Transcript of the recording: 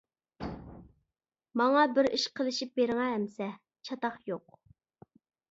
-ماڭا بىر ئىش قىلىشىپ بېرىڭە ئەمسە؟ -چاتاق يوق.